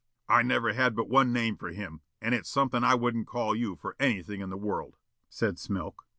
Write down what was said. "I never had but one name for him, and it's something I wouldn't call you for anything in the world," said Smilk.